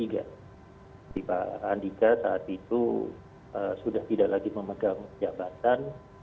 jadi pak andika saat itu sudah tidak lagi memegang jabatan